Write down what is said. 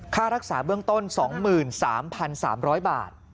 ค่ารักษาเบื้องต้น๒๓๓๐๐บาท